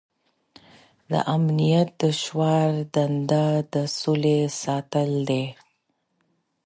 د امنیت د شورا دنده د سولې ساتل دي.